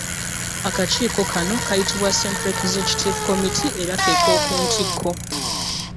Akakiiko kano kayitibwa Central Executive Committee era ke k'okuntikko.